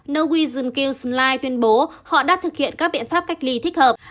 norwegian kielsen line tuyên bố họ đã thực hiện các biện pháp cách ly thích hợp